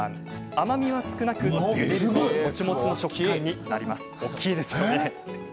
甘味は少なく、ゆでるともちもちの食感になります。